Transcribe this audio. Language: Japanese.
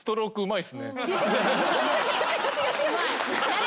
うまい！